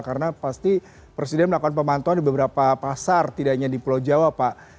karena pasti presiden melakukan pemantauan di beberapa pasar tidak hanya di pulau jawa pak